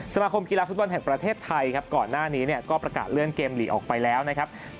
สมาคมกีฬาฟุตบอลแห่งประเทศไทยครับก่อนหน้านี้เนี่ยก็ประกาศเลื่อนเกมหลีกออกไปแล้วนะครับ